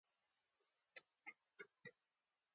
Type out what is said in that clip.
بیزو د خطر پر مهال تېښته کوي.